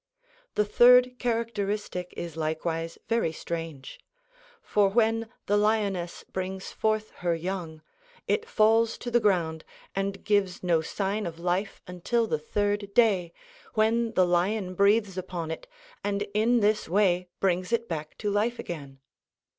The third characteristic is likewise very strange. For when the lioness brings forth her young, it falls to the ground, and gives no sign of life until the third day, when the lion breathes upon it and in this way brings it back to life again.